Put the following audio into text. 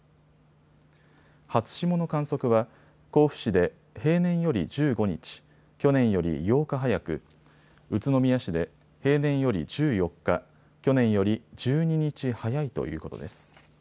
初霜の観測は甲府市で平年より１５日、去年より８日早く、宇都宮市で平年より１４日、去年より１２日早いということです。